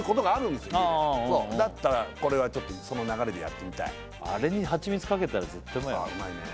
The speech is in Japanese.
家でだったらこれはその流れでやってみたいあれにハチミツかけたら絶対ウマいよ